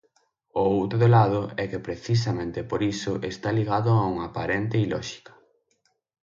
O outro lado é que precisamente por iso está ligado a unha aparente ilóxica.